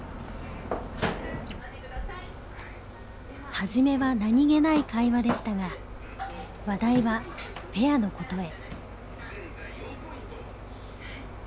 初めは何気ない会話でしたが話題はペアのことへ。